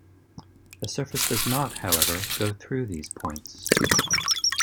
The surface does not, however, go through these points.